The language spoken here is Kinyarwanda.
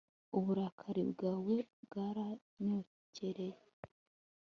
uburakari bwawe bwaranyokereye